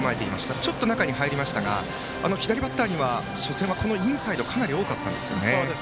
今、ちょっと中に入りましたが左バッターには初戦はインサイドがかなり多かったんですよね。